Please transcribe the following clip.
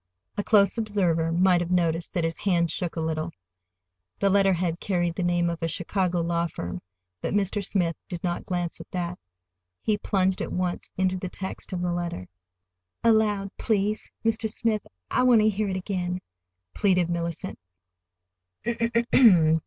A close observer might have noticed that his hand shook a little. The letterhead carried the name of a Chicago law firm, but Mr. Smith did not glance at that. He plunged at once into the text of the letter. "Aloud, please, Mr. Smith. I want to hear it again," pleaded Mellicent.